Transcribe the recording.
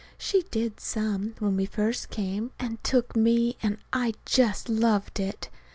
She did, some, when we first came, and took me, and I just loved it.